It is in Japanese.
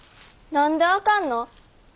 何であかんの？